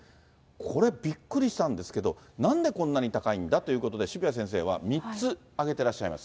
これ、びっくりしたんですけど、なんでこんなに高いんだということで、渋谷先生は３つ挙げてらっしゃいます。